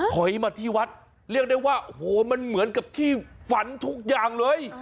ถอยมาที่วัดเรียกได้ว่าโอ้โหมันเหมือนกับที่ฝันทุกอย่างเลย